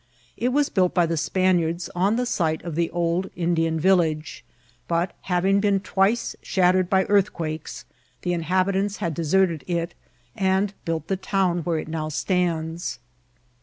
It was built by the Spaniards on the site of the old Indian village; but, having been twice shattered by earthquakes, the inhab itants had deserted it, and built the town where it now stands.